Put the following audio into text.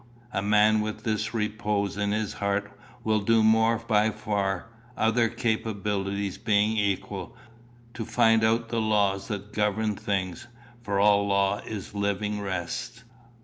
A man with this repose in his heart will do more by far, other capabilities being equal, to find out the laws that govern things. For all law is living rest."